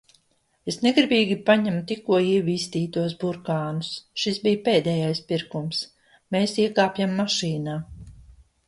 Es negribīgi paņemu tikko ievīstītos burkānus. Šis bija pēdējais pirkums. Mēs iekāpjam mašīnā.